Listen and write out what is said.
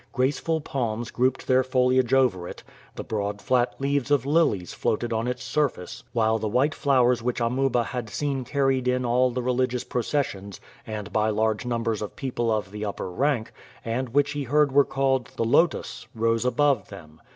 Graceful palms grouped their foliage over it, the broad flat leaves of lilies floated on its surface, while the white flowers which Amuba had seen carried in all the religious processions and by large numbers of people of the upper rank, and which he heard were called the lotus, rose above them.